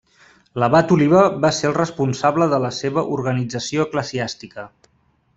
L'Abat Oliba va ser el responsable de la seva organització eclesiàstica.